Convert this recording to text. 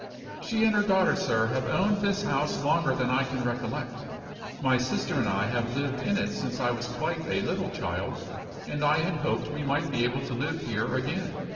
"She and her daughter, sir, have owned this house longer than I can recollect. My sister and I have lived in it since I was quite a little child, and I had hoped we might be able to live here again.